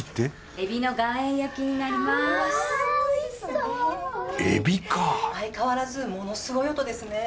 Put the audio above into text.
エビかぁ相変わらずものすごい音ですね。